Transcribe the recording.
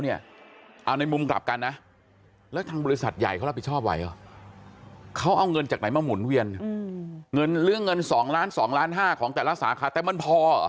ในแต่ละสาขาแต่มันพอ